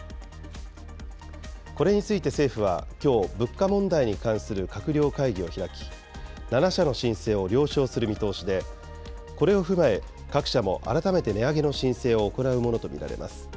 これについて政府はきょう、物価問題に関する閣僚会議を開き、７社の申請を了承する見通しで、これを踏まえ、各社も改めて値上げの申請を行うものと見られます。